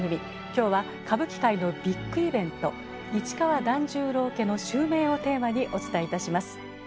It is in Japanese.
今日は歌舞伎界のビッグイベント市川團十郎家の襲名をテーマにお伝えいたします。